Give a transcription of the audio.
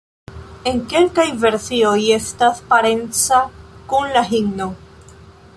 En kelkaj versioj estas parenca kun la himno.